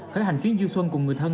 khởi hành chuyến du xuân cùng người thân